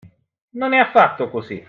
Non è affatto così!